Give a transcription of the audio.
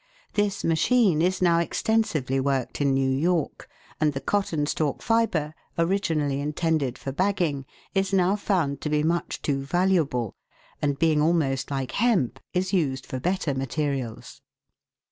This machine is now extensively worked in New York, and the cotton stalk fibre, originally intended for bagging, is now found to be much too valuable, and, being almost like hemp, is used for better materials.